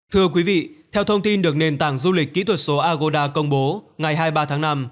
thưa quý vị theo thông tin được nền tảng du lịch kỹ thuật số agoda công bố ngày hai mươi ba tháng năm